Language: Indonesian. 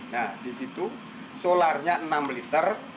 nah di situ solarnya enam liter